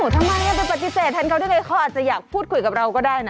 ทำไมไม่ก็ไปปฏิเสธเขาได้ไงเขาอาจจะอยากพูดคุยกับเราก็ได้น่ะ